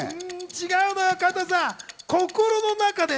違うのよ加藤さん、心の中で心の中で？